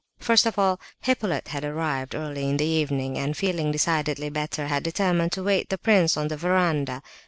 First of all Hippolyte had arrived, early in the evening, and feeling decidedly better, had determined to await the prince on the verandah.